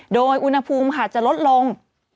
โดยอุณหภูมิค่ะจะลดลง